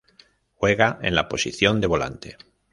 Juega en la posición de Volante.